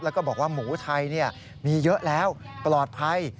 แล้วก็บอกว่าหมูไทยมีเยอะแล้วปลอดภัย